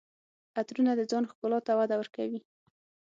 عطرونه د ځان ښکلا ته وده ورکوي.